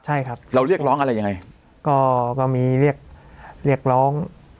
ใช่ครับเราเรียกร้องอะไรยังไงก็ก็มีเรียกเรียกร้อง